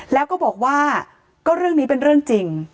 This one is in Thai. แล้วก็บอกว่าก็เรื่องนี้เป็นเรื่องจริง